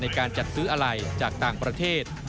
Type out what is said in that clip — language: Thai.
ในการจัดซื้ออะไรจากต่างประเทศ